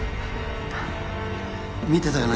見てたよな？